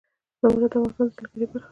زمرد د افغانستان د سیلګرۍ برخه ده.